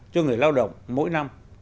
cho người lao động mỗi năm